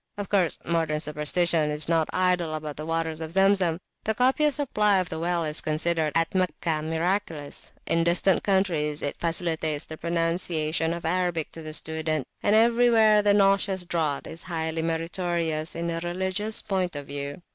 Of course modern superstition is not idle about the waters of Zemzem. The copious supply of the well is considered at Meccah miraculous; in distant countries it facilitates the pron[o]unciation of Arabic to the student; and everywhere the nauseous draught is highly meritorious in a religious point of view.